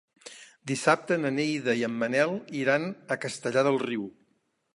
Dissabte na Neida i en Manel iran a Castellar del Riu.